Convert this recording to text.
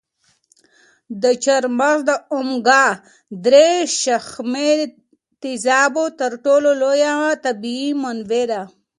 دا چهارمغز د اومیګا درې شحمي تېزابو تر ټولو لویه طبیعي منبع ده.